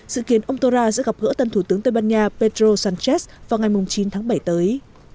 dự kiến ông tora sẽ gặp gỡ tân thủ tướng tây ban nha pedro sánchez vào ngày chín tháng bảy tới